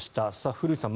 古内さん